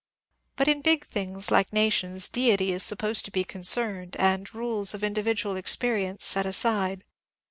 But in big things like nations Deity is supposed to be concerned, and rules of individual experience set aside.